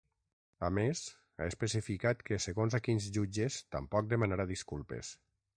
A més, ha especificat que segons a quins jutges tampoc demanarà disculpes.